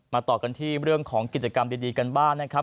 ต่อกันที่เรื่องของกิจกรรมดีกันบ้างนะครับ